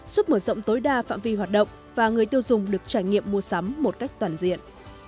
giúp mở rộng tối đa phạm vi hoạt động và người tiêu dùng được trải nghiệm mua sắm một cách toàn diện